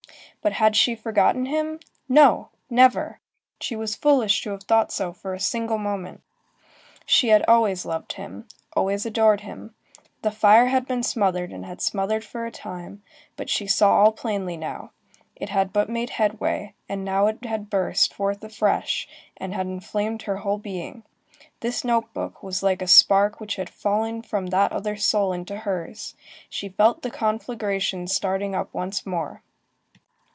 But had she forgotten him? No, never! She was foolish to have thought so for a single moment. She had always loved him, always adored him. The fire had been smothered, and had smouldered for a time, but she saw all plainly now; it had but made headway, and now it had burst forth afresh, and had inflamed her whole being. This note book was like a spark which had fallen from that other soul into hers. She felt the conflagration starting up once more.